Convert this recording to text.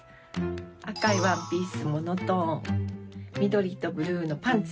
赤いワンピースモノトーン緑とブルーのパンツ